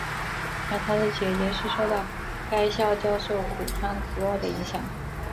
而他的姊姊是受到该校教授古川竹二的影响。